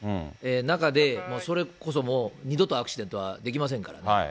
中でそれこそもう二度とアクシデントはできませんのでね。